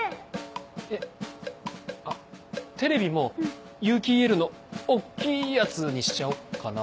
えあテレビも有機ＥＬの大っきいやつにしちゃおっかな。